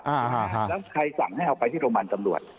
แล้วใครสั่งให้เอาไปที่โรงพยาบาลตำรวจ